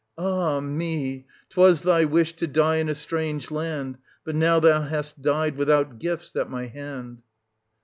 — Ah me! 'twas thy wish to die in a strange land ; but now thou hast died without gifts at my hand.